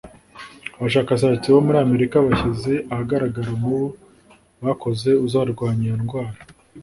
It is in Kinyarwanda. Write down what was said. abashakashatsi bo muri Amerika bashyize ahagaragara umubu bakoze uzarwanya iyo ndwara